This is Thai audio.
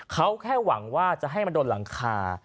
เขาแค่หวังว่าจะให้มันโดนหลังคา